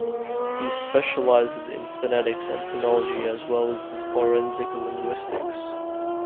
He specialises in phonetics and phonology as well as in forensic linguistics.